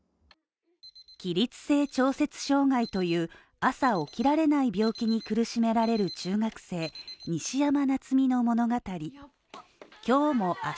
起立性調節障害という朝起きられない病気に苦しめられる中学生・西山夏実の物語。